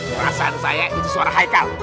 perasaan saya itu suara haikal